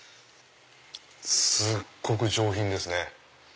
すっごく上品ですね。